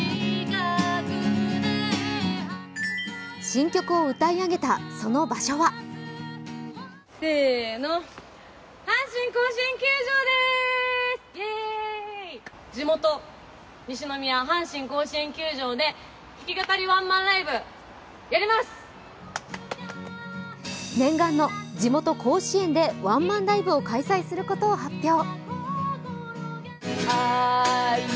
新曲を歌い上げた、その場所は念願の地元・甲子園でワンマンライブを開催することを発表。